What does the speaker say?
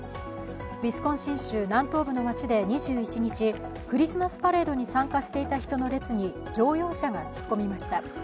ウィスコンシン州南東部の街で２１日、クリスマスパレードに参加していた人の列に乗用車が突っ込みました。